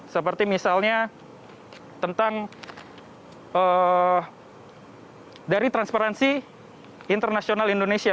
seperti misalnya tentang dari transparansi internasional indonesia